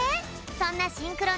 そんなシンクロね